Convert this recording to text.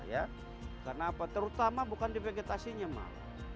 karena apa terutama bukan di vegetasinya mak